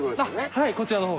はいこちらの方